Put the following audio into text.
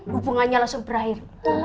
hubungannya langsung berakhir